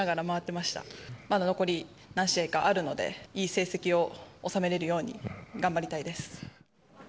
まだ残り何試合かあるので、いい成績を収めれるように頑張りたいです。